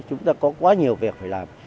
chúng ta có quá nhiều việc phải làm